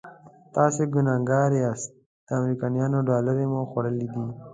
تاسې ګنهګار یاست د امریکایانو ډالر مو خوړلي دي.